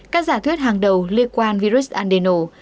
các giả thuyết hàng đầu liên quan virus adeno